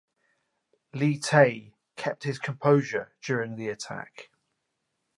Li Te kept his composure during the attack.